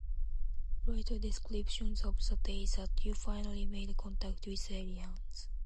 write a descriptions of the day that you finally made contact with aliens.